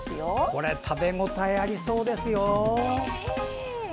これ、食べ応えありそうですよ。